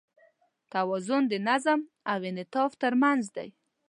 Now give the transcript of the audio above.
توازن د نظم او انعطاف تر منځ دی.